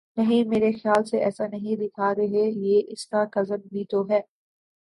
نہیں میرے خیال سے ایسا نہیں دکھا رہے یہ اس کا کزن بھی تو ہے